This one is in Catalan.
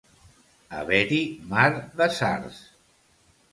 Haver-hi mar de sards.